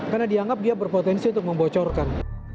karena dianggap dia berpotensi untuk membocorkan